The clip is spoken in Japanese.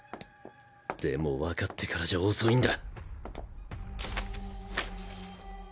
でもわかってからじゃ遅いんだ！